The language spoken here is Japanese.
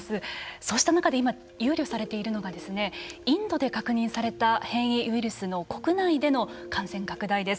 そうした中で今憂慮されているのがインドで確認された変異ウイルスの国内での感染拡大です。